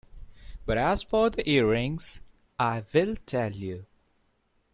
But as for the earrings — I will tell you.